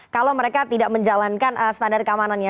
kalau mereka tidak menjalankan standar keamanannya